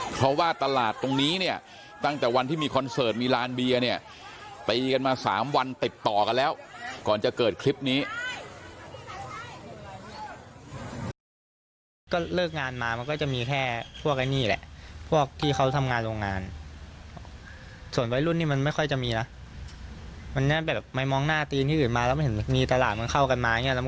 เพราะว่าตลาดตรงนี้ตั้งแต่วันที่มีคอนเสิร์ตมีร้านเบียร์